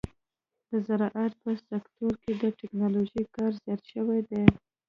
د زراعت په سکتور کې د ټکنالوژۍ کارول زیات شوي دي.